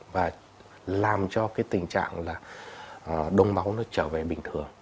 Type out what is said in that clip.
và làm cho cái tình trạng là đông máu nó trở về bình thường